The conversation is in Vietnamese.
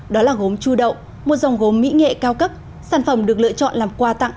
đó là gốm chu đậu một dòng gốm mỹ nghệ cao cấp sản phẩm được lựa chọn làm quà tặng